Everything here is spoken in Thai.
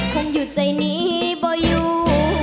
คงอยู่ใจนี้บ่อยู่